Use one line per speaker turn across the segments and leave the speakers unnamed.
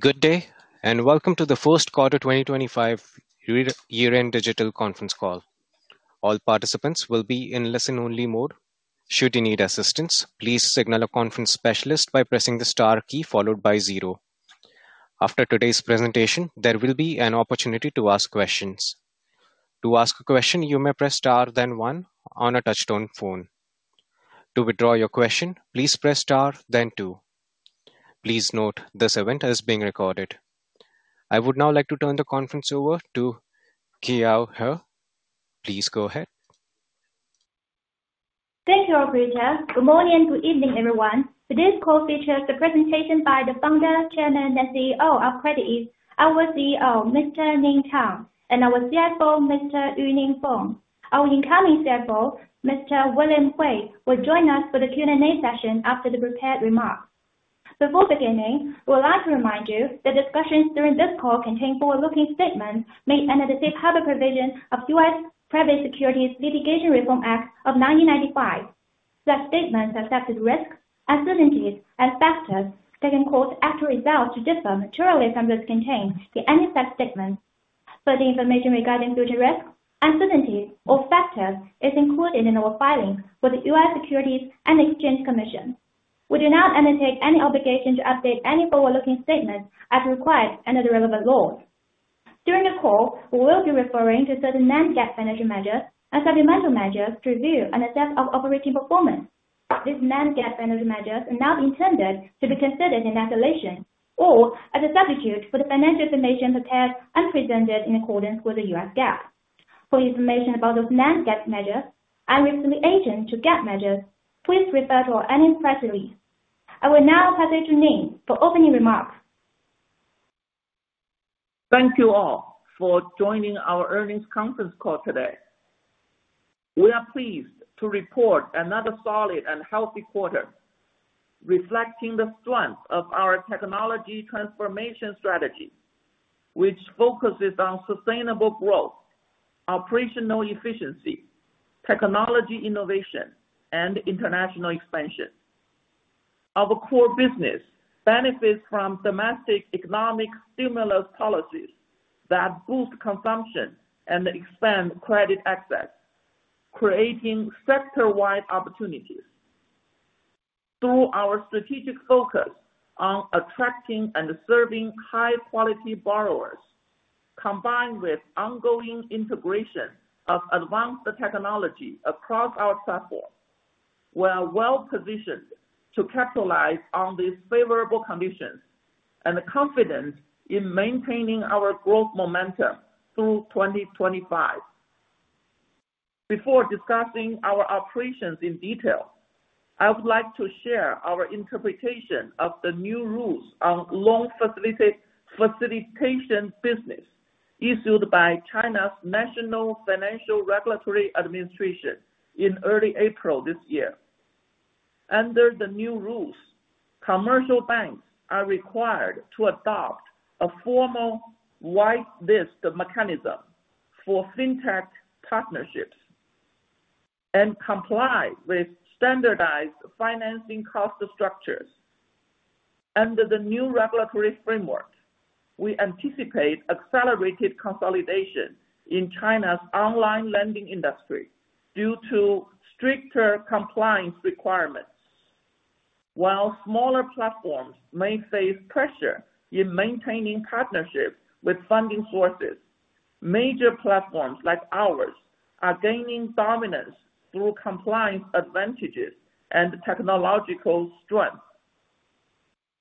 All participants will be in listen-only mode. Should you need assistance, please signal a conference specialist by pressing the star key followed by zero. After today's presentation, there will be an opportunity to ask questions. To ask a question, you may press * then one on a touchstone phone. To withdraw your question, please press * then two. Please note this event is being recorded. I would now like to turn the conference over to Keyao He. Please go ahead.
Thank you, Aubrey Ji. Good morning and good evening, everyone. Today's call features the presentation by the founder, chairman, and CEO of CreditEase, our CEO, Mr. Ning Tang, and our CFO, Mr. Yuning Feng. Our incoming CFO, Mr. William Hui, will join us for the Q&A session after the prepared remarks. Before beginning, we would like to remind you that discussions during this call contain forward-looking statements made under the safe harbor provision of the U.S. Private Securities Litigation Reform Act of 1995. Such statements accept risks, uncertainties, and factors that could cause results to differ materially from those contained in any such statements. Further information regarding future risks, uncertainties, or factors is included in our filings with the U.S. Securities and Exchange Commission. We do not undertake any obligation to update any forward-looking statements as required under the relevant laws. During the call, we will be referring to certain non-GAAP financial measures and supplemental measures to review and assess our operating performance. These non-GAAP financial measures are not intended to be considered in isolation or as a substitute for the financial information prepared and presented in accordance with U.S. GAAP. For information about those non-GAAP measures and reconciliation to GAAP measures, please refer to our press release. I will now pass it to Ning for opening remarks.
Thank you all for joining our earnings conference call today. We are pleased to report another solid and healthy quarter, reflecting the strength of our technology transformation strategy, which focuses on sustainable growth, operational efficiency, technology innovation, and international expansion. Our core business benefits from domestic economic stimulus policies that boost consumption and expand credit access, creating sector-wide opportunities. Through our strategic focus on attracting and serving high-quality borrowers, combined with ongoing integration of advanced technology across our platform, we are well-positioned to capitalize on these favorable conditions and confident in maintaining our growth momentum through 2025. Before discussing our operations in detail, I would like to share our interpretation of the new rules on loan facilitation business issued by China's National Financial Regulatory Administration in early April this year. Under the new rules, commercial banks are required to adopt a formal whitelist mechanism for fintech partnerships and comply with standardized financing cost structures. Under the new regulatory framework, we anticipate accelerated consolidation in China's online lending industry due to stricter compliance requirements. While smaller platforms may face pressure in maintaining partnerships with funding sources, major platforms like ours are gaining dominance through compliance advantages and technological strength.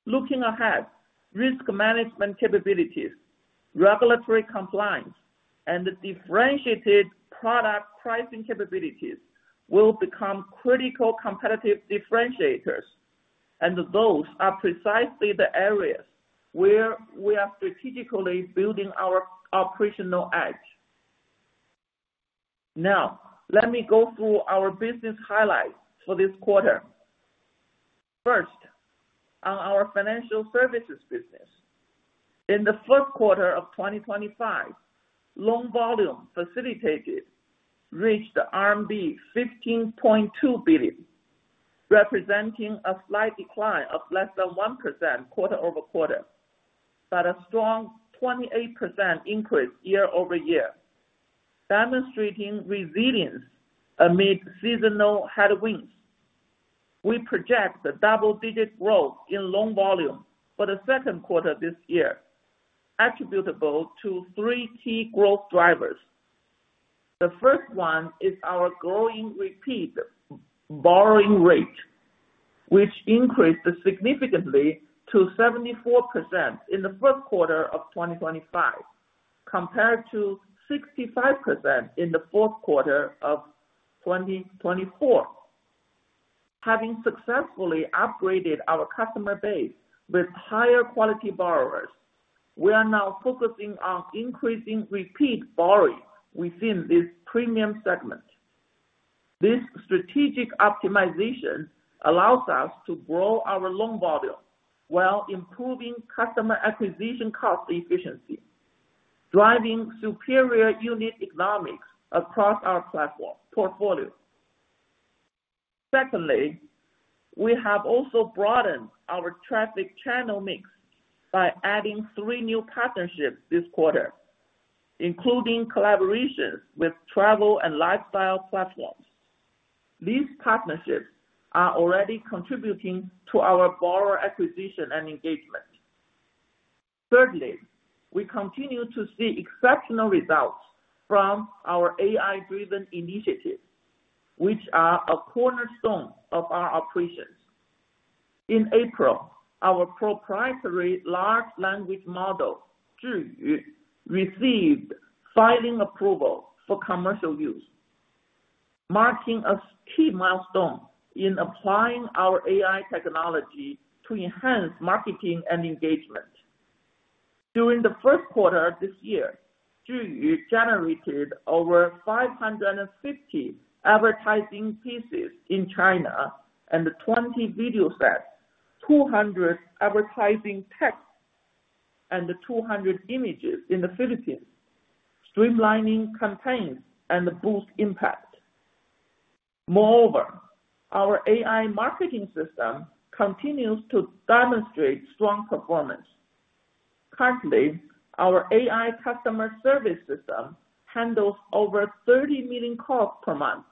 Looking ahead, risk management capabilities, regulatory compliance, and differentiated product pricing capabilities will become critical competitive differentiators, and those are precisely the areas where we are strategically building our operational edge. Now, let me go through our business highlights for this quarter. First, on our financial services business. In the first quarter of 2025, loan volume facilitated reached RMB 15.2 billion, representing a slight decline of less than 1% quarter-over-quarter, but a strong 28% increase year over year, demonstrating resilience amid seasonal headwinds. We project a double-digit growth in loan volume for the second quarter this year, attributable to three key growth drivers. The first one is our growing repeat borrowing rate, which increased significantly to 74% in the first quarter of 2025, compared to 65% in the fourth quarter of 2024. Having successfully upgraded our customer base with higher quality borrowers, we are now focusing on increasing repeat borrowing within this premium segment. This strategic optimization allows us to grow our loan volume while improving customer acquisition cost efficiency, driving superior unit economics across our platform portfolio. Secondly, we have also broadened our traffic channel mix by adding three new partnerships this quarter, including collaborations with travel and lifestyle platforms. These partnerships are already contributing to our borrower acquisition and engagement. Thirdly, we continue to see exceptional results from our AI-driven initiatives, which are a cornerstone of our operations. In April, our proprietary large language model, Zhuyu, received filing approval for commercial use, marking a key milestone in applying our AI technology to enhance marketing and engagement. During the first quarter of this year, Zhuyu generated over 550 advertising pieces in China and 20 video sets, 200 advertising texts, and 200 images in the Philippines, streamlining campaigns and boosting impact. Moreover, our AI marketing system continues to demonstrate strong performance. Currently, our AI customer service system handles over 30 million calls per month,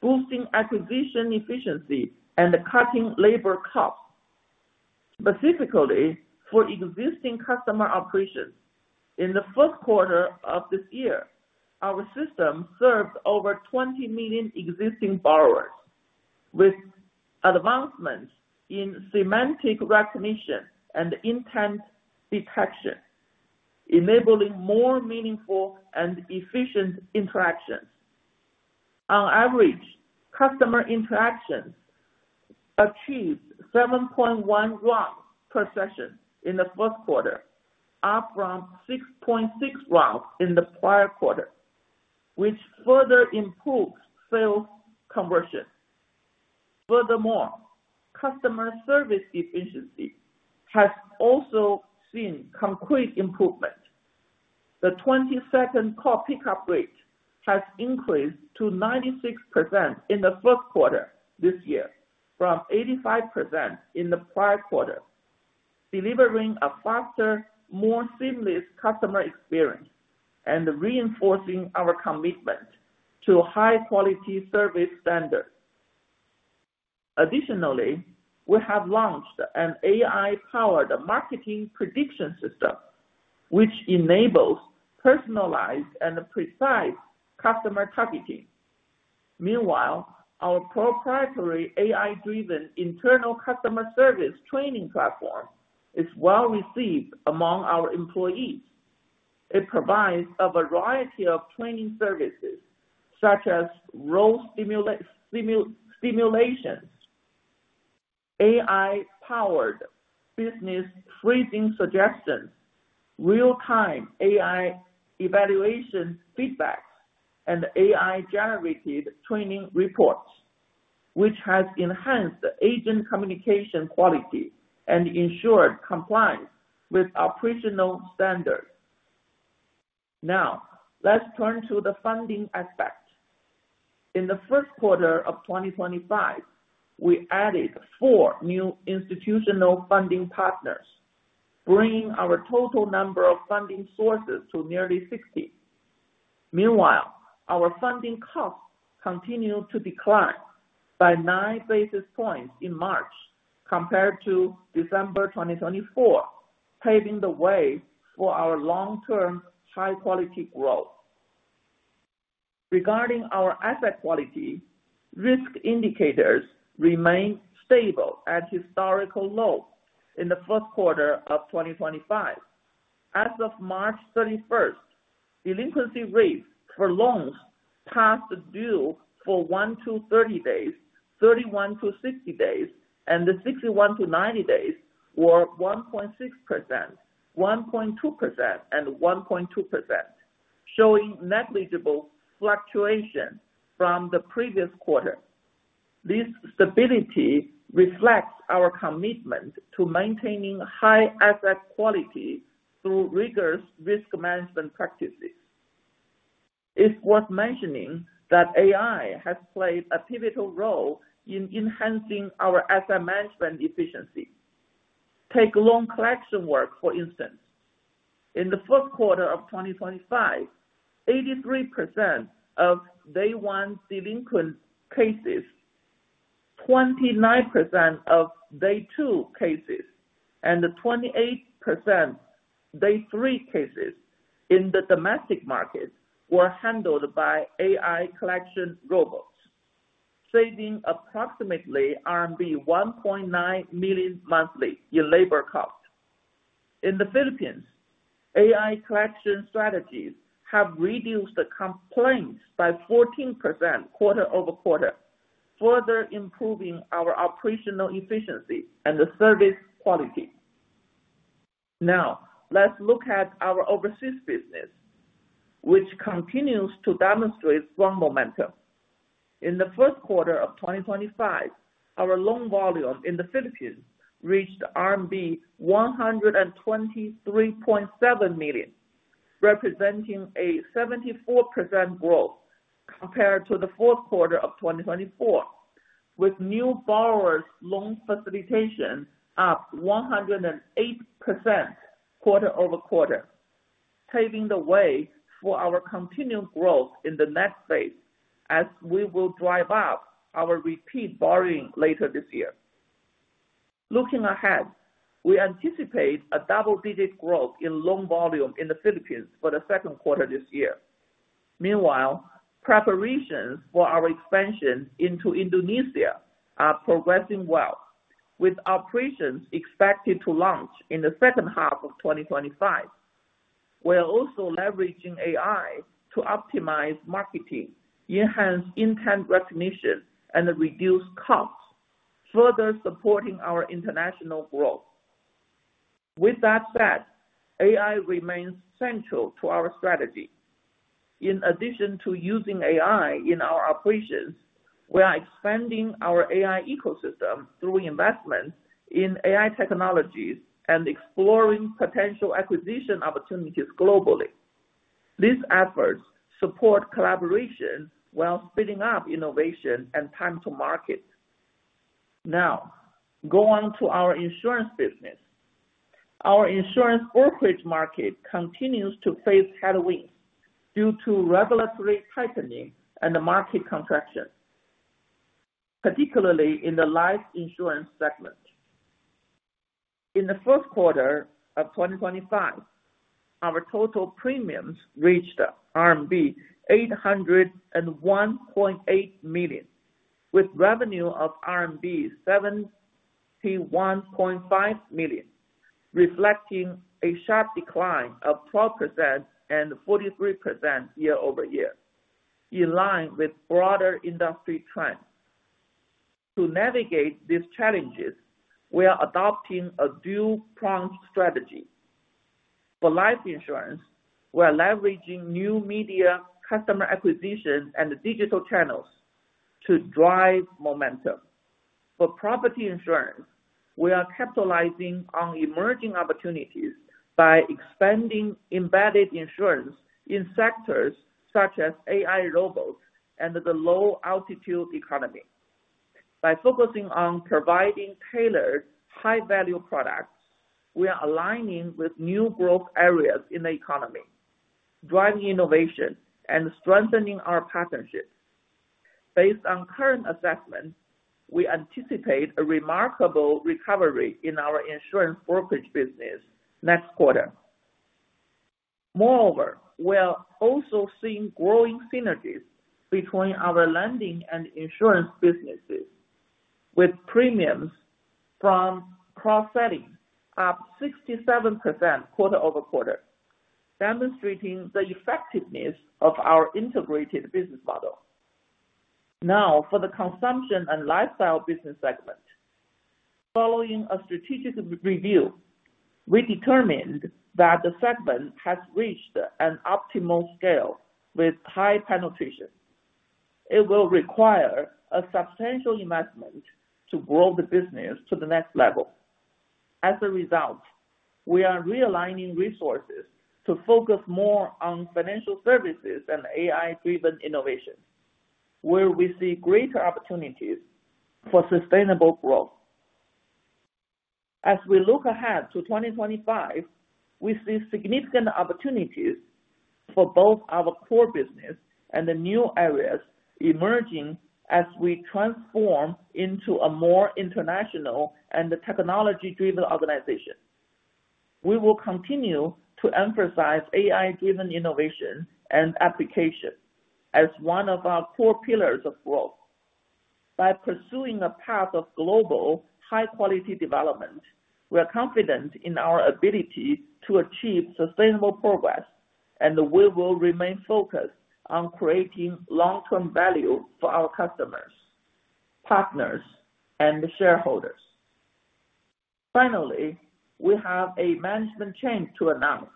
boosting acquisition efficiency and cutting labor costs. Specifically, for existing customer operations, in the first quarter of this year, our system served over 20 million existing borrowers, with advancements in semantic recognition and intent detection, enabling more meaningful and efficient interactions. On average, customer interactions achieved 7.1 ROC per session in the first quarter, up from 6.6 ROC in the prior quarter, which further improved sales conversion. Furthermore, customer service efficiency has also seen concrete improvement. The 22nd call pickup rate has increased to 96% in the first quarter this year from 85% in the prior quarter, delivering a faster, more seamless customer experience and reinforcing our commitment to high-quality service standards. Additionally, we have launched an AI-powered marketing prediction system, which enables personalized and precise customer targeting. Meanwhile, our proprietary AI-driven internal customer service training platform is well-received among our employees. It provides a variety of training services, such as role stimulations, AI-powered business phrasing suggestions, real-time AI evaluation feedback, and AI-generated training reports, which has enhanced agent communication quality and ensured compliance with operational standards. Now, let's turn to the funding aspect. In the first quarter of 2025, we added four new institutional funding partners, bringing our total number of funding sources to nearly 60. Meanwhile, our funding costs continued to decline by nine basis points in March compared to December 2024, paving the way for our long-term high-quality growth. Regarding our asset quality, risk indicators remained stable at historical lows in the first quarter of 2025. As of March 31, delinquency rates for loans past due for 1-30 days, 31-60 days, and 61-90 days were 1.6%, 1.2%, and 1.2%, showing negligible fluctuation from the previous quarter. This stability reflects our commitment to maintaining high asset quality through rigorous risk management practices. It's worth mentioning that AI has played a pivotal role in enhancing our asset management efficiency. Take loan collection work, for instance. In the first quarter of 2025, 83% of day-one delinquent cases, 29% of day-two cases, and 28% of day-three cases in the domestic market were handled by AI collection robots, saving approximately RMB 1.9 million monthly in labor cost. In the Philippines, AI collection strategies have reduced complaints by 14% quarter-over-quarter, further improving our operational efficiency and service quality. Now, let's look at our overseas business, which continues to demonstrate strong momentum. In the first quarter of 2025, our loan volume in the Philippines reached RMB 123.7 million, representing a 74% growth compared to the fourth quarter of 2024, with new borrowers' loan facilitation up 108% quarter-over-quarter, paving the way for our continued growth in the next phase as we will drive up our repeat borrowing later this year. Looking ahead, we anticipate a double-digit growth in loan volume in the Philippines for the second quarter this year. Meanwhile, preparations for our expansion into Indonesia are progressing well, with operations expected to launch in the second half of 2025. We are also leveraging AI to optimize marketing, enhance intent recognition, and reduce costs, further supporting our international growth. With that said, AI remains central to our strategy. In addition to using AI in our operations, we are expanding our AI ecosystem through investment in AI technologies and exploring potential acquisition opportunities globally. These efforts support collaboration while speeding up innovation and time to market. Now, go on to our insurance business. Our insurance brokerage market continues to face headwinds due to regulatory tightening and market contraction, particularly in the life insurance segment. In the first quarter of 2025, our total premiums reached RMB 801.8 million, with revenue of RMB 71.5 million, reflecting a sharp decline of 12% and 43% year over year, in line with broader industry trends. To navigate these challenges, we are adopting a due-prompt strategy. For life insurance, we are leveraging new media customer acquisition and digital channels to drive momentum. For property insurance, we are capitalizing on emerging opportunities by expanding embedded insurance in sectors such as AI robots and the low-altitude economy. By focusing on providing tailored high-value products, we are aligning with new growth areas in the economy, driving innovation and strengthening our partnerships. Based on current assessments, we anticipate a remarkable recovery in our insurance brokerage business next quarter. Moreover, we are also seeing growing synergies between our lending and insurance businesses, with premiums from cross-selling up 67% quarter-over-quarter, demonstrating the effectiveness of our integrated business model. Now, for the consumption and lifestyle business segment. Following a strategic review, we determined that the segment has reached an optimal scale with high penetration. It will require a substantial investment to grow the business to the next level. As a result, we are realigning resources to focus more on financial services and AI-driven innovation, where we see greater opportunities for sustainable growth. As we look ahead to 2025, we see significant opportunities for both our core business and the new areas emerging as we transform into a more international and technology-driven organization. We will continue to emphasize AI-driven innovation and application as one of our core pillars of growth. By pursuing a path of global high-quality development, we are confident in our ability to achieve sustainable progress, and we will remain focused on creating long-term value for our customers, partners, and shareholders. Finally, we have a management change to announce.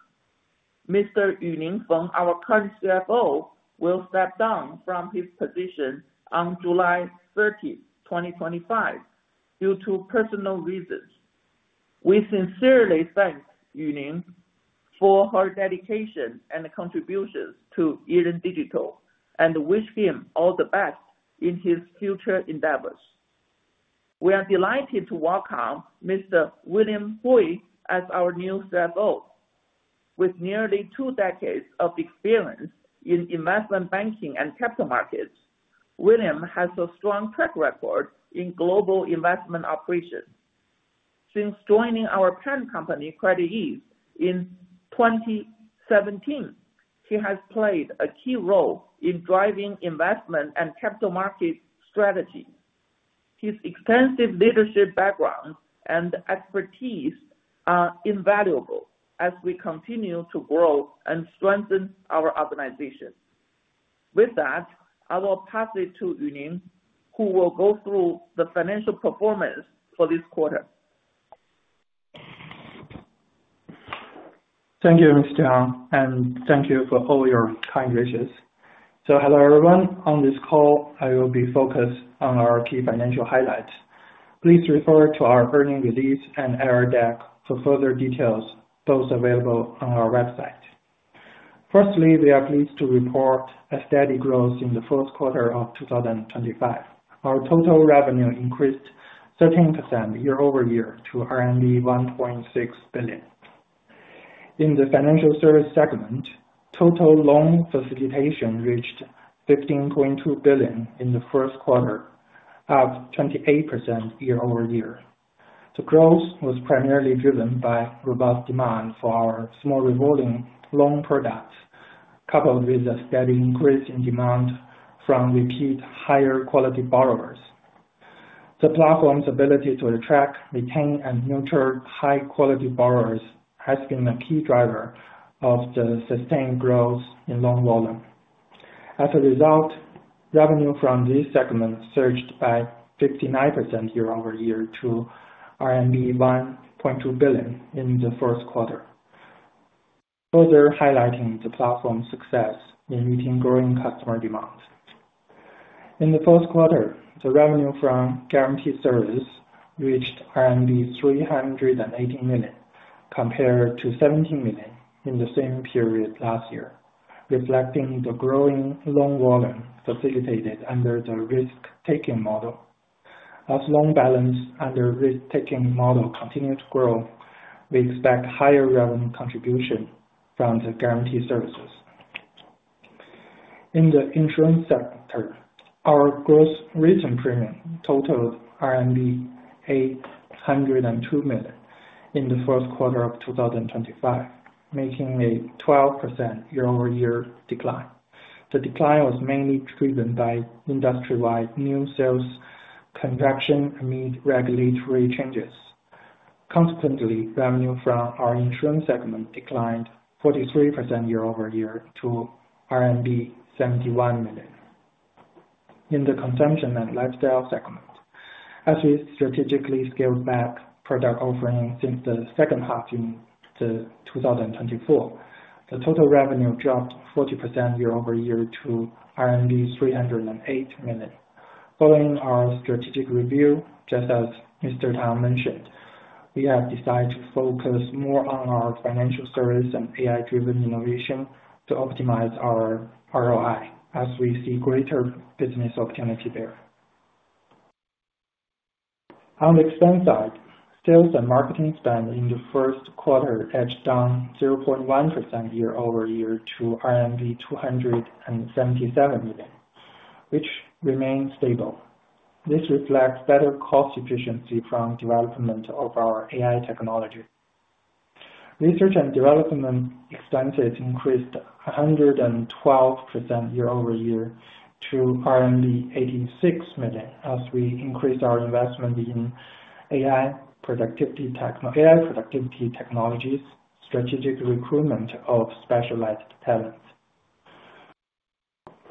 Mr. Yuning Feng, our current CFO, will step down from his position on July 30, 2025, due to personal reasons. We sincerely thank Yuning for his dedication and contributions to Yiren Digital and wish him all the best in his future endeavors. We are delighted to welcome Mr. William Hui as our new CFO. With nearly two decades of experience in investment banking and capital markets, William has a strong track record in global investment operations. Since joining our parent company CreditEase in 2017, he has played a key role in driving investment and capital market strategy. His extensive leadership background and expertise are invaluable as we continue to grow and strengthen our organization. With that, I will pass it to Yuning, who will go through the financial performance for this quarter.
Thank you, Mr. Tang, and thank you for all your kind wishes. Hello everyone. On this call, I will be focused on our key financial highlights. Please refer to our earnings release and error deck for further details, both available on our website. Firstly, we are pleased to report a steady growth in the first quarter of 2025. Our total revenue increased 13% year-over-year to 1.6 billion. In the financial service segment, total loan facilitation reached 15.2 billion in the first quarter, up 28% year-over-year. The growth was primarily driven by robust demand for our small rewarding loan products, coupled with a steady increase in demand from repeat higher quality borrowers. The platform's ability to attract, retain, and nurture high-quality borrowers has been a key driver of the sustained growth in loan volume. As a result, revenue from this segment surged by 59% year-over-year to RMB 1.2 billion in the first quarter, further highlighting the platform's success in meeting growing customer demands. In the first quarter, the revenue from guaranteed service reached RMB 318 million, compared to 17 million in the same period last year, reflecting the growing loan volume facilitated under the risk-taking model. As loan balance under risk-taking model continues to grow, we expect higher revenue contribution from the guaranteed services. In the insurance sector, our gross written premium totaled RMB 802 million in the first quarter of 2025, making a 12% year-over-year decline. The decline was mainly driven by industry-wide new sales contraction amid regulatory changes. Consequently, revenue from our insurance segment declined 43% year-over-year to RMB 71 million. In the consumption and lifestyle segment, as we strategically scaled back product offering since the second half of 2024, the total revenue dropped 40% year-over-year to RMB 308 million. Following our strategic review, just as Mr. Tang mentioned, we have decided to focus more on our financial service and AI-driven innovation to optimize our ROI as we see greater business opportunity there. On the expense side, sales and marketing spend in the first quarter edged down 0.1% year-over-year to RMB 277 million, which remained stable. This reflects better cost efficiency from development of our AI technology. Research and development expenses increased 112% year-over-year to RMB 86 million as we increased our investment in AI productivity technologies, strategic recruitment of specialized talent.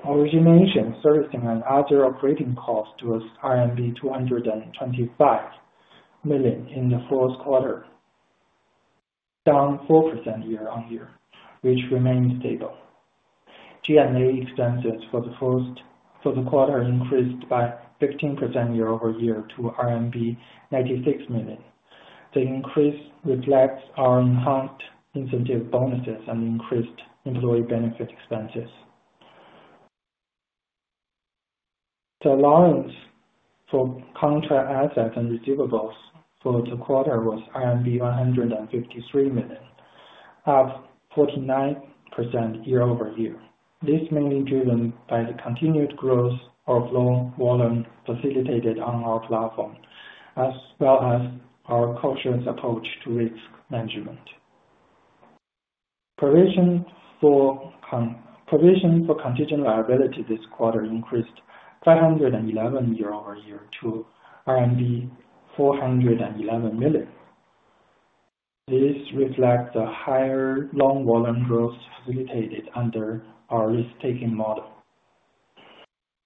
Origination, servicing, and other operating costs was RMB 225 million in the fourth quarter, down 4% year-on-year, which remained stable. G&A expenses for the fourth quarter increased by 15% year-over-year to RMB 96 million. The increase reflects our enhanced incentive bonuses and increased employee benefit expenses. The allowance for contract assets and receivables for the quarter was RMB 153 million, up 49% year-over-year. This is mainly driven by the continued growth of loan volume facilitated on our platform, as well as our cautious approach to risk management. Provision for contingent liability this quarter increased 511% year-over-year to 411 million. This reflects the higher loan volume growth facilitated under our risk-taking model,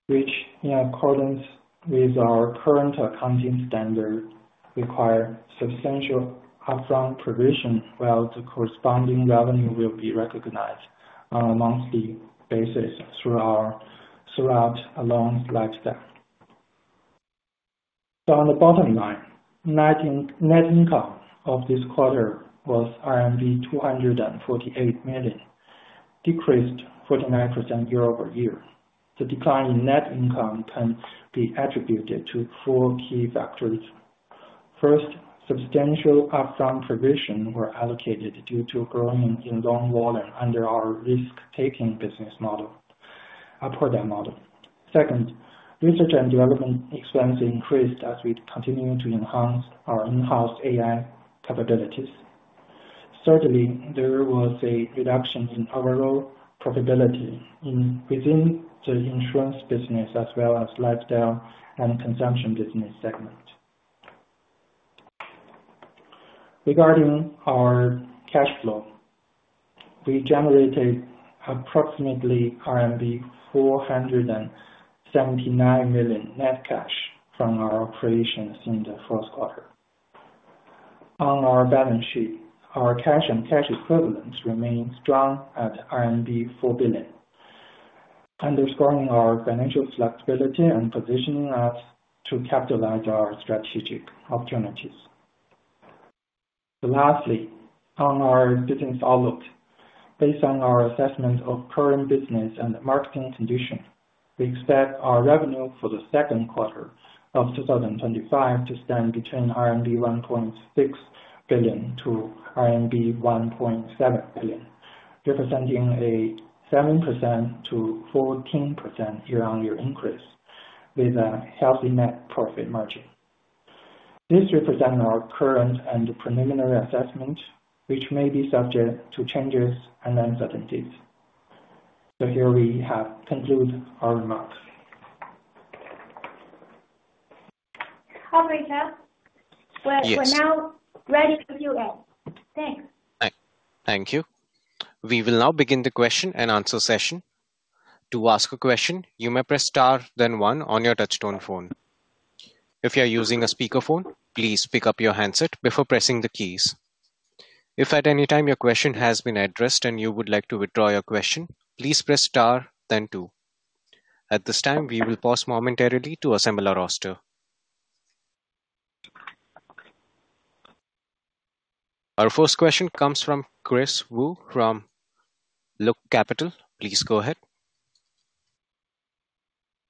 which, in accordance with our current accounting standard, requires substantial upfront provision while the corresponding revenue will be recognized on a monthly basis throughout a loan lifespan. On the bottom line, net income of this quarter was RMB 248 million, decreased 49% year-over-year. The decline in net income can be attributed to four key factors. First, substantial upfront provision was allocated due to growing in loan volume under our risk-taking business model, upward model. Second, research and development expenses increased as we continue to enhance our in-house AI capabilities. Thirdly, there was a reduction in overall profitability within the insurance business, as well as lifestyle and consumption business segment. Regarding our cash flow, we generated approximately RMB 479 million net cash from our operations in the first quarter. On our balance sheet, our cash and cash equivalents remained strong at RMB 4 billion, underscoring our financial flexibility and positioning us to capitalize our strategic opportunities. Lastly, on our business outlook, based on our assessment of current business and marketing conditions, we expect our revenue for the second quarter of 2025 to stand between RMB 1.6 billion - RMB 1.7 billion, representing a 7%-14% year-on-year increase with a healthy net profit margin. This represents our current and preliminary assessment, which may be subject to changes and uncertainties. Here we have concluded our remarks.
All right, sir. We're now ready to Q&A. Thanks.
Thank you. We will now begin the question and answer session. To ask a question, you may press *, then one on your touchstone phone. If you are using a speakerphone, please pick up your handset before pressing the keys. If at any time your question has been addressed and you would like to withdraw your question, please press *, then two. At this time, we will pause momentarily to assemble our roster. Our first question comes from Kris Wu from Look Capital. Please go ahead.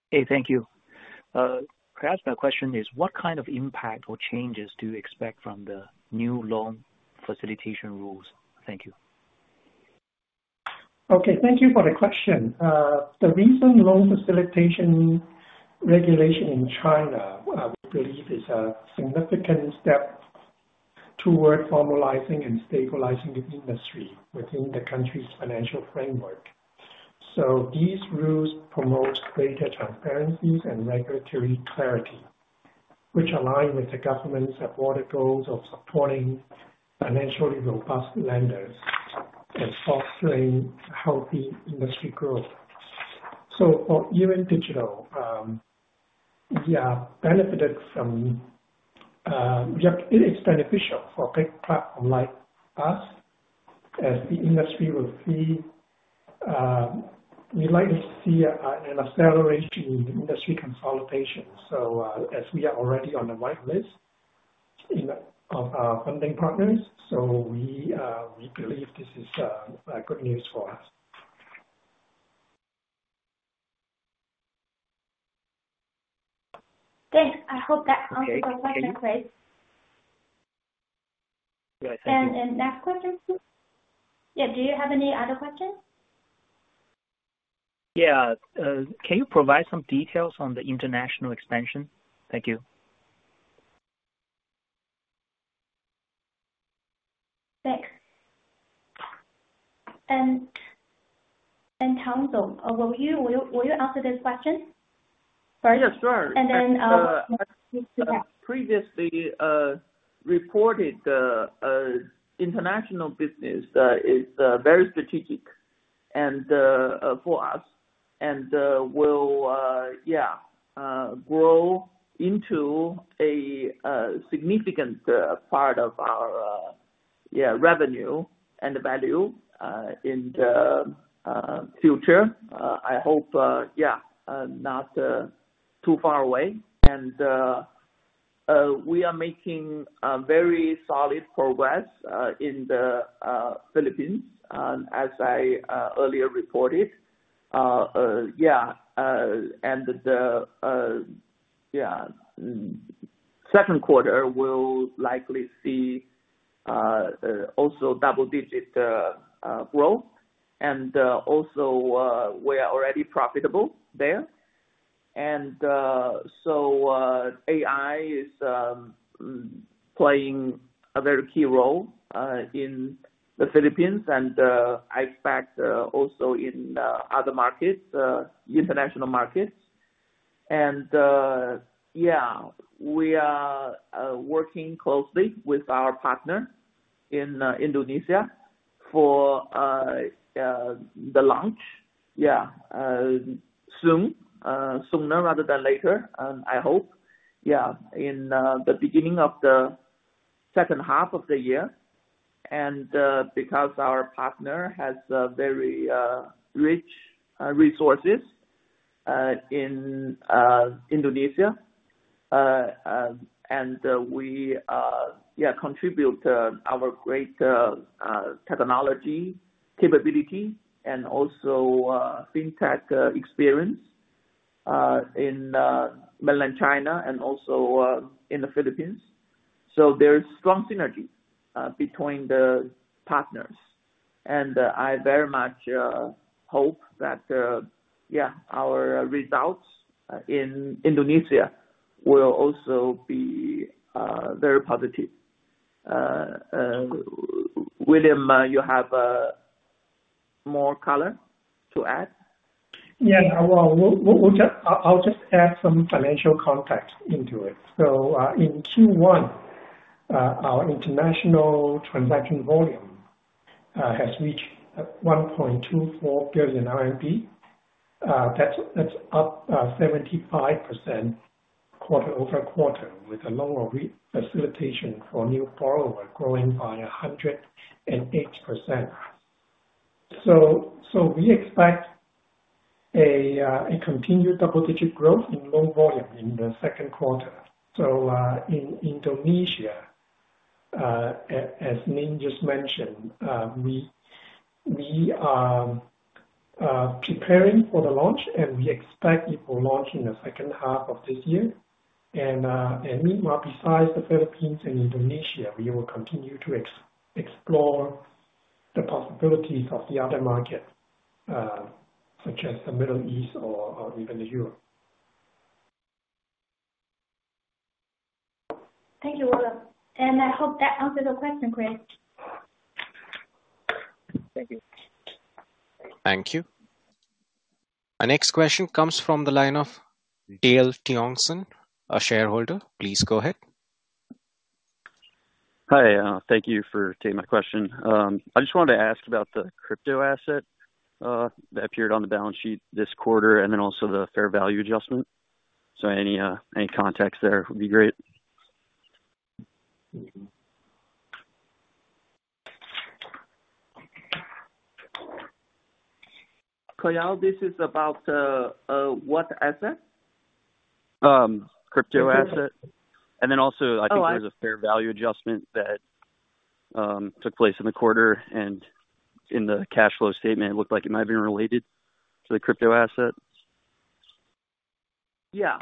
Hey, thank you. Perhaps my question is, what kind of impact or changes do you expect from the new loan facilitation rules? Thank you.
Okay, thank you for the question. The recent loan facilitation regulation in China, we believe, is a significant step toward formalizing and stabilizing the industry within the country's financial framework. These rules promote greater transparency and regulatory clarity, which align with the government's afforded goals of supporting financially robust lenders and fostering healthy industry growth. For Yiren Digital, we are benefited from it. It is beneficial for a big platform like us, as the industry will see, we'd like to see, an acceleration in industry consolidation. As we are already on the whitelist of our funding partners, we believe this is good news for us.
Thanks. I hope that answered your question, Kris.
Thank you. Next question, please. Yeah, do you have any other questions? Yeah. Can you provide some details on the international expansion? Thank you.
Thanks. Tang Zhou, will you answer this question?
Yes, sure.
And then.
I previously reported the international business is very strategic for us and will, yeah, grow into a significant part of our, yeah, revenue and value in the future. I hope, yeah, not too far away. We are making very solid progress in the Philippines, as I earlier reported. Yeah. The, yeah, second quarter will likely see also double-digit growth. We are already profitable there. AI is playing a very key role in the Philippines, and I expect also in other markets, international markets. Yeah, we are working closely with our partner in Indonesia for the launch, yeah, soon, sooner rather than later, I hope, yeah, in the beginning of the second half of the year. Because our partner has very rich resources in Indonesia, and we, yeah, contribute our great technology capability and also fintech experience in mainland China and also in the Philippines. There is strong synergy between the partners. I very much hope that, yeah, our results in Indonesia will also be very positive. William, you have more color to add.
Yeah, I'll just add some financial context into it. In Q1, our international transaction volume has reached 1.24 billion RMB. That's up 75% quarter-over-quarter with loan facilitation for new borrower growing by 108%. We expect a continued double-digit growth in loan volume in the second quarter. In Indonesia, as Min just mentioned, we are preparing for the launch, and we expect it will launch in the second half of this year. Meanwhile, besides the Philippines and Indonesia, we will continue to explore the possibilities of other markets, such as the Middle East or even Europe.
Thank you all. I hope that answered the question, Kris.
Thank you.
Thank you. Our next question comes from the line of Dale Tiongson, a shareholder. Please go ahead.
Hi. Thank you for taking my question. I just wanted to ask about the crypto asset that appeared on the balance sheet this quarter and then also the fair value adjustment. Any context there would be great.
Dale, this is about what asset?
Crypto asset. I think there was a fair value adjustment that took place in the quarter, and in the cash flow statement, it looked like it might have been related to the crypto asset.
Yeah.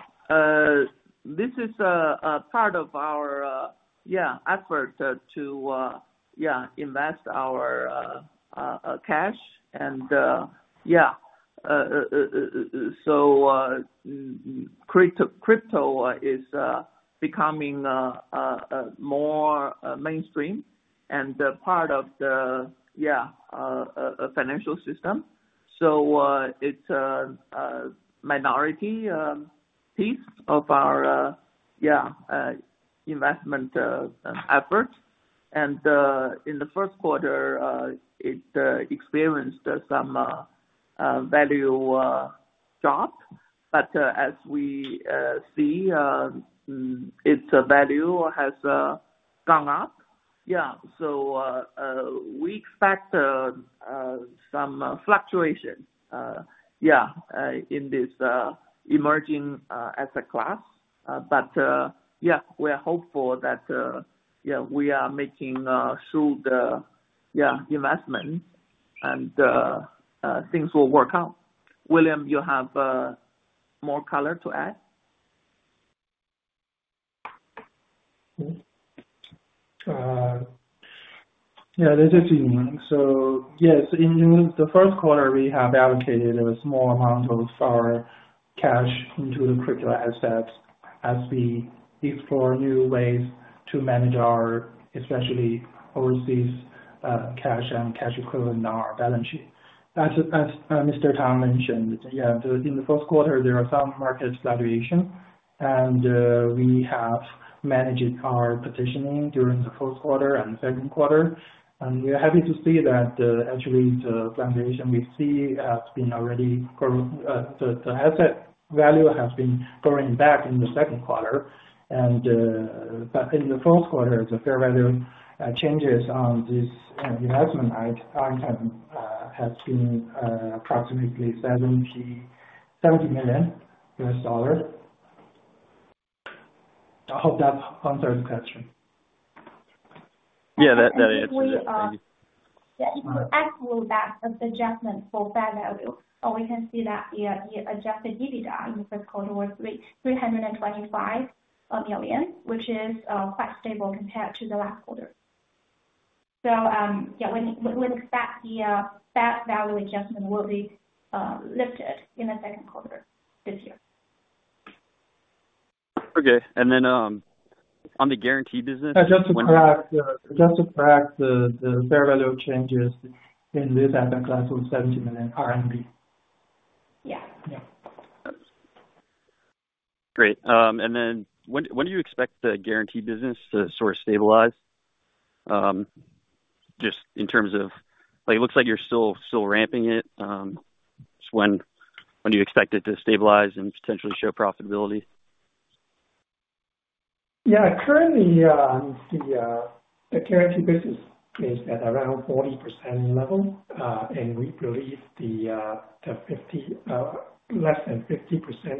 This is part of our, yeah, effort to, yeah, invest our cash. And yeah, so crypto is becoming more mainstream and part of the, yeah, financial system. So it is a minority piece of our, yeah, investment effort. In the first quarter, it experienced some value drop. As we see, its value has gone up. Yeah. We expect some fluctuation, yeah, in this emerging asset class. Yeah, we are hopeful that, yeah, we are making sure, yeah, investments, and things will work out. William, you have more color to add.
Yeah, this is Yuning Feng. So yes, in the first quarter, we have allocated a small amount of our cash into the crypto assets as we explore new ways to manage our, especially overseas cash and cash equivalent on our balance sheet. As Mr. Tang mentioned, yeah, in the first quarter, there are some market fluctuations, and we have managed our positioning during the first quarter and the second quarter. We are happy to see that actually the fluctuation we see has been already the asset value has been growing back in the second quarter. In the first quarter, the fair value changes on this investment item has been approximately $70 million. I hope that answered the question.
Yeah, that answers it.
Yeah, it's an actual adjustment for fair value. So we can see that the adjusted EBITDA in the first quarter was 325 million, which is quite stable compared to the last quarter. So yeah, we expect the fair value adjustment will be lifted in the second quarter this year.
Okay. And then on the guaranteed business.
Just to correct, the fair value changes in this asset class was RMB 70 million.
Yeah.
Great. When do you expect the guaranteed business to sort of stabilize? Just in terms of, it looks like you are still ramping it. When do you expect it to stabilize and potentially show profitability?
Yeah. Currently, the guaranteed business is at around 40% level, and we believe less than 50%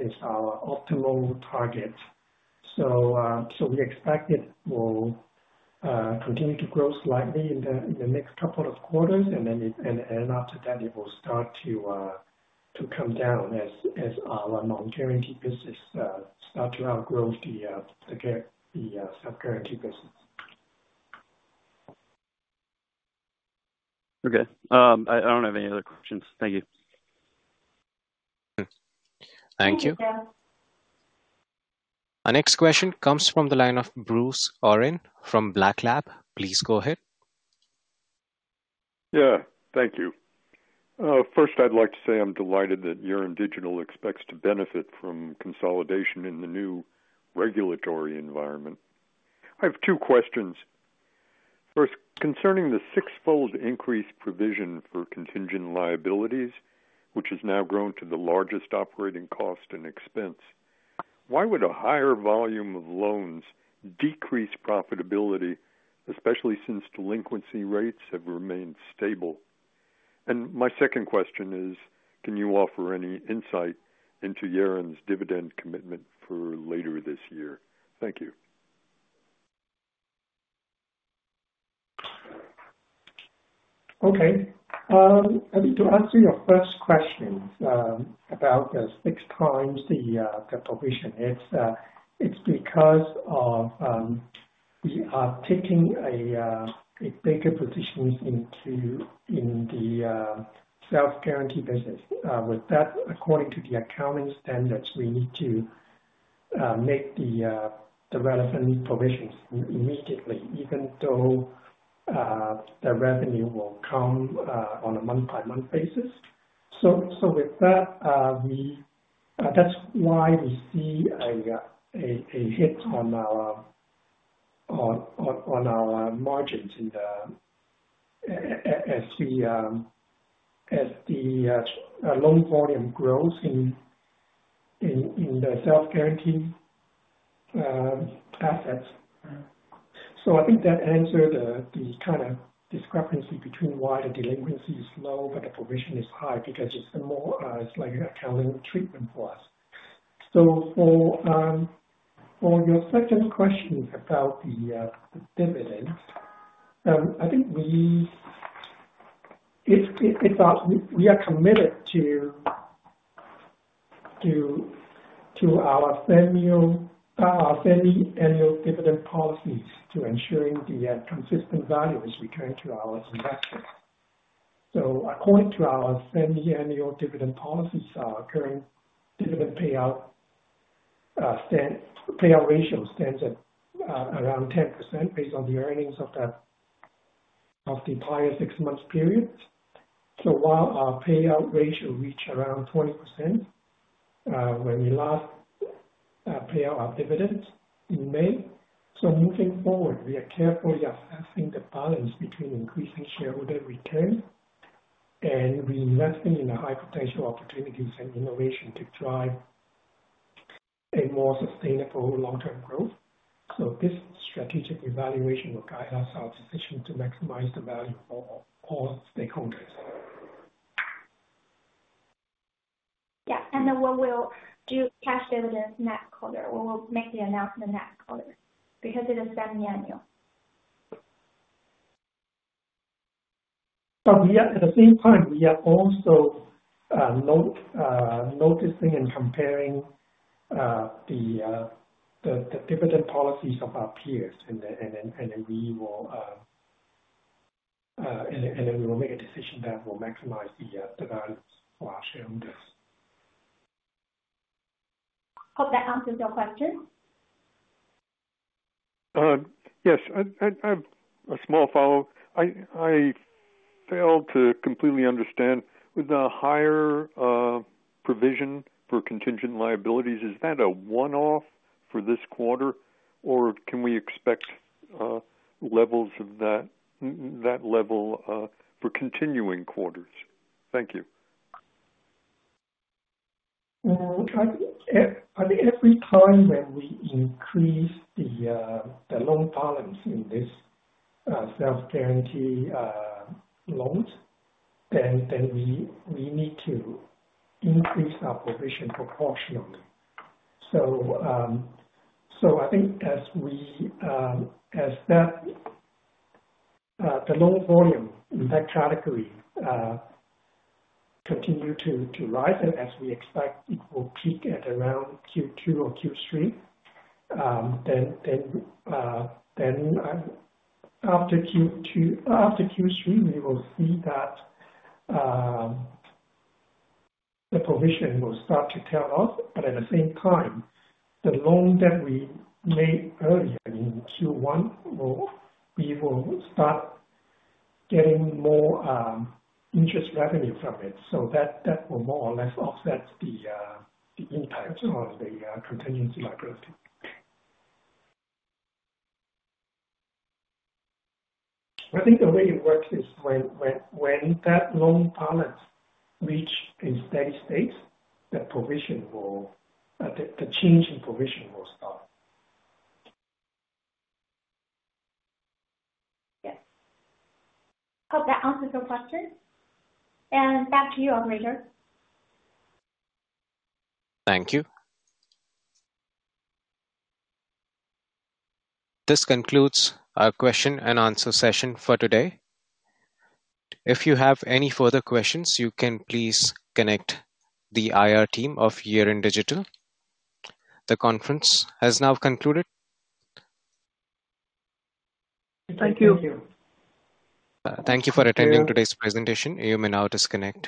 is our optimal target. We expect it will continue to grow slightly in the next couple of quarters, and then after that, it will start to come down as our non-guaranteed business start to outgrow the sub-guaranteed business.
Okay. I don't have any other questions. Thank you.
Thank you.
Thank you.
Our next question comes from the line of Bruce Oren from Black Lab. Please go ahead.
Yeah. Thank you. First, I'd like to say I'm delighted that Yiren Digital expects to benefit from consolidation in the new regulatory environment. I have two questions. First, concerning the six-fold increased provision for contingent liabilities, which has now grown to the largest operating cost and expense, why would a higher volume of loans decrease profitability, especially since delinquency rates have remained stable? My second question is, can you offer any insight into Yiren's dividend commitment for later this year? Thank you.
Okay. I mean, to answer your first question about six times the provision, it's because we are taking a bigger position into the self-guaranteed business. With that, according to the accounting standards, we need to make the relevant provisions immediately, even though the revenue will come on a month-by-month basis. With that, that's why we see a hit on our margins as the loan volume grows in the self-guaranteed assets. I think that answered the kind of discrepancy between why the delinquency is low but the provision is high because it's more like an accounting treatment for us. For your second question about the dividends, I think we are committed to our semi-annual dividend policies to ensuring the consistent value as we turn to our investors. So according to our semi-annual dividend policies, our current dividend payout ratio stands at around 10% based on the earnings of the prior six-month periods. So while our payout ratio reached around 20% when we last paid out our dividends in May, so moving forward, we are carefully assessing the balance between increasing shareholder returns and reinvesting in the high-potential opportunities and innovation to drive a more sustainable long-term growth. So this strategic evaluation will guide us our decision to maximize the value for all stakeholders.
Yeah. We will do cash dividends next quarter. We will make the announcement next quarter because it is semi-annual.
At the same time, we are also noticing and comparing the dividend policies of our peers, and then we will make a decision that will maximize the value for our shareholders.
Hope that answers your question.
Yes. A small follow-up. I failed to completely understand. With the higher provision for contingent liabilities, is that a one-off for this quarter, or can we expect levels of that level for continuing quarters? Thank you.
I think every time when we increase the loan balance in these self-guaranteed loans, we need to increase our provision proportionally. I think as the loan volume in that category continues to rise, and as we expect it will peak at around Q2 or Q3, after Q3, we will see that the provision will start to tail off. At the same time, the loan that we made earlier in Q1, we will start getting more interest revenue from it. That will more or less offset the impact on the contingency liability. I think the way it works is when that loan balance reaches a steady state, the change in provision will stop.
Yes. Hope that answers your question. Back to you, operator.
Thank you. This concludes our question and answer session for today. If you have any further questions, you can please connect the IR team of Yiren Digital. The conference has now concluded.
Thank you.
Thank you for attending today's presentation. You may now disconnect.